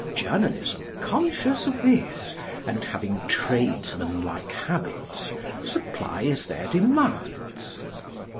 Journalism, conscious of this, and having tradesman like habits, supplies their demands.